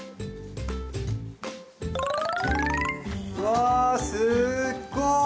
うわすっごい！